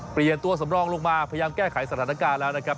เปลี่ยนตัวสำรองลงมาพยายามแก้ไขสถานการณ์แล้วนะครับ